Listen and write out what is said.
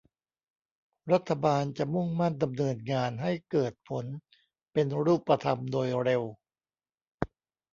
รัฐบาลจะมุ่งมั่นดำเนินงานให้เกิดผลเป็นรูปธรรมโดยเร็ว